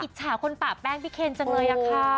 จฉาคนป่าแป้งพี่เคนจังเลยอะค่ะ